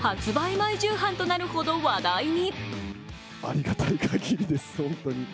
前重版となるほど話題に。